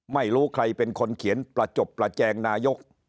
ไม่รู้ใครเป็นคนเขียนประจบประแจงนายก